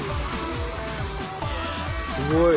すごい！